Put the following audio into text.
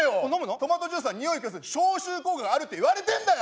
トマトジュースはにおいを消す消臭効果があると言われてんだよ！